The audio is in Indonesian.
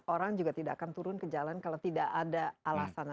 orang juga tidak akan turun ke jalan kalau tidak ada alasannya